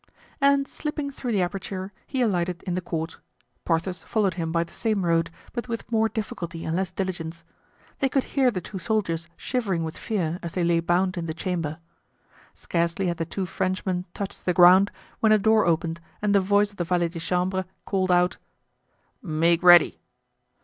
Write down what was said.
And slipping through the aperture, he alighted in the court. Porthos followed him by the same road, but with more difficulty and less diligence. They could hear the two soldiers shivering with fear, as they lay bound in the chamber. Scarcely had the two Frenchmen touched the ground when a door opened and the voice of the valet de chambre called out: "Make ready!"